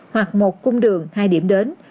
hoặc một cung đường hai điểm đến